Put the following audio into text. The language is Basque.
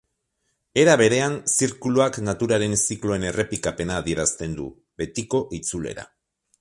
Era berean, zirkuluak naturaren zikloen errepikapena adierazten du, betiko itzulera.